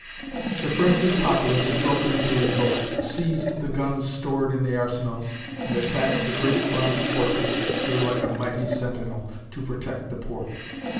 The frenzied populace had broken into revolt, seized the guns stored in the arsenals, and attacked the great Bronx fortress that stood like a mighty sentinel to protect the port.